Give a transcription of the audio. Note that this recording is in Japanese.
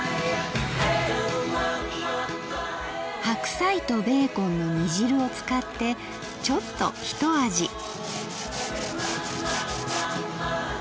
白菜とベーコンの煮汁を使ってちょっとひと味。